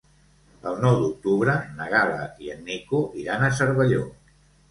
El nou d'octubre na Gal·la i en Nico iran a Cervelló.